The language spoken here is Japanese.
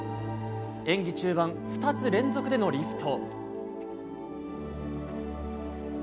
演技中盤、２つ連続でのリフト。